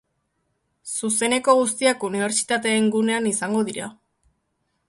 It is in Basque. Zuzeneko guztiak unibertsitateen gunean izango dira.